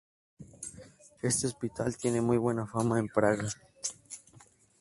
Este hospital tiene muy buena fama en "Praga".